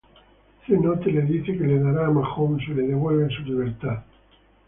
C-Note le dice que le dará a Mahone, si le devuelven su libertad.